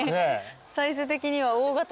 サイズ的には大型犬。